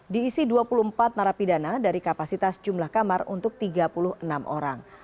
diisi dua puluh empat narapidana dari kapasitas jumlah kamar untuk tiga puluh enam orang